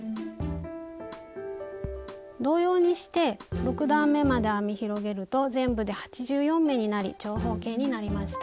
同様にして６段めまで編み広げると全部で８４目になり長方形になりました。